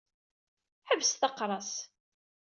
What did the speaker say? Ḥebset aqras.